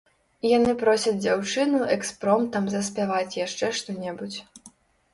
Яны просяць дзяўчыну экспромтам заспяваць яшчэ што-небудзь.